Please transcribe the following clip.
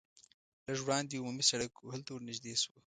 لږ وړاندې عمومي سرک و هلته ور نږدې شوو.